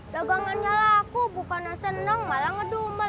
degangannya laku bukannya seneng malah ngedumel